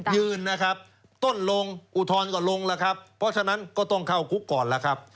ยืนนะครับต้นลงอุทธรณ์ก็ลงแล้วครับเพราะฉะนั้นก็ต้องเข้าคุกก่อนล่ะครับ